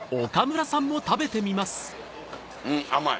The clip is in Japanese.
うん甘い。